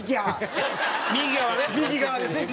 右側ですね。